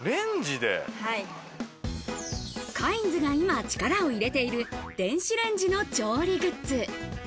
カインズが今、力を入れている電子レンジの調理グッズ。